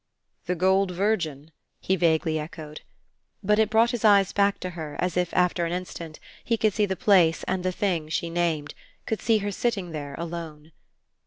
"The gold Virgin?" he vaguely echoed. But it brought his eyes back to her as if after an instant he could see the place and the thing she named could see her sitting there alone.